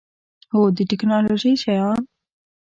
هو، د تکنالوژۍ شیان